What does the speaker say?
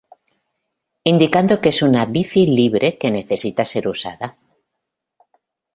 Indicando que es una bici libre que necesita ser usada.